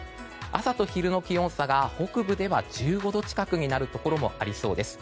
朝と昼の気温差が北部では１５度近くになるところもありそうです。